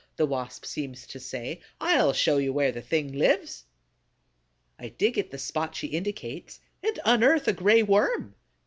the Wasp seems to say. "I'll show you where the thing lives!" I dig at the spot she indicates and unearth a Gray Worm.